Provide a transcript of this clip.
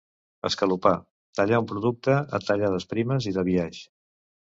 escalopar: tallar un producte a tallades primes i de biaix